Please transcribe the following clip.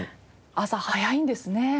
朝早いんですね。